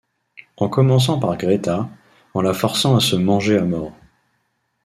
En commençant par Greta, en la forçant à se manger à mort.